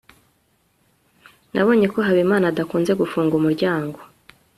nabonye ko habimana adakunze gufunga umuryango